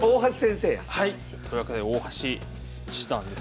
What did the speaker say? はい！というわけで大橋七段です。